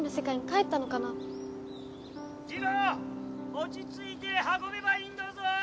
落ち着いて運べばいいんだぞ！